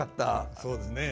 そうですね。